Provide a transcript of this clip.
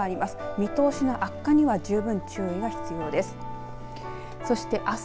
見通しの悪化には十分注意が必要です。